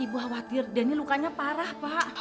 ibu khawatir denny lukanya parah pak